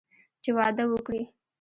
چې واده وکړي.